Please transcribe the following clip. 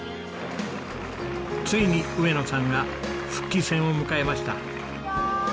ついに上野さんが復帰戦を迎えました。